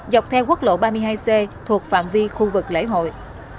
dọc theo quốc lộ ba mươi hai c thuộc phạm vi khu vực lễ hội